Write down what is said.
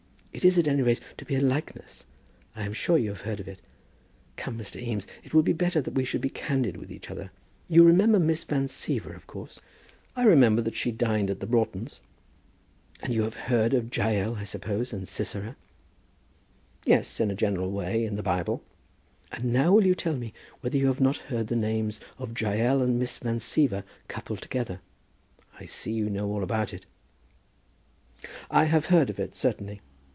It is at any rate to be a likeness. I am sure you have heard of it. Come, Mr. Eames; it would be better that we should be candid with each other. You remember Miss Van Siever, of course?" "I remember that she dined at the Broughtons'." "And you have heard of Jael, I suppose, and Sisera?" "Yes; in a general way, in the Bible." "And now will you tell me whether you have not heard the names of Jael and Miss Van Siever coupled together? I see you know all about it." "I have heard of it, certainly."